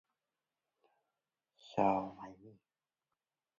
Sonny Keyes co-wrote "A Way You'll Never Be" with Mister Zero.